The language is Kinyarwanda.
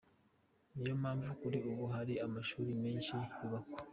Ni yo mpamvu kuri ubu hari amashuri menshi yubakwa.